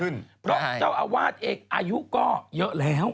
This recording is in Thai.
เพราะเจ้าอาวาสเองอายุก็เยอะแล้ว